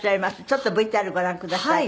ちょっとＶＴＲご覧ください。